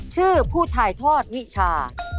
ชื่อผู้ถ่ายทอดวิชา